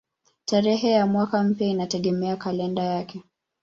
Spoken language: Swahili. Tarehe ya mwaka mpya inategemea kalenda yake.